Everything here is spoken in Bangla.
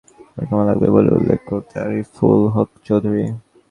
আগামীর সিলেট গড়তে দীর্ঘমেয়াদি পরিকল্পনা লাগবে বলে উল্লেখ করেন আরিফুল হক চৌধুরী।